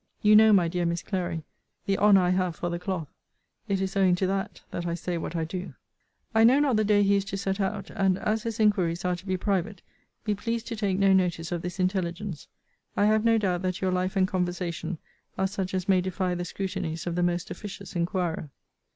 You know, my dear Miss Clary, the honour I have for the cloth: it is owing to that, that I say what I do. * Dr. Lewen. I know not the day he is to set out; and, as his inquiries are to be private, be pleased to take no notice of this intelligence. I have no doubt that your life and conversation are such as may defy the scrutinies of the most officious inquirer.